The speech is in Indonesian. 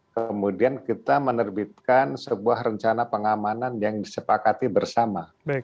kemudian kita menerbitkan sebuah rencana pengamanan yang disepakati bersama